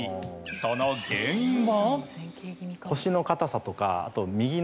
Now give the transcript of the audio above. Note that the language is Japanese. その原因は？